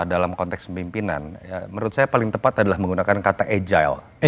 dalam konteks pemimpinan menurut saya paling tepat adalah menggunakan kata agile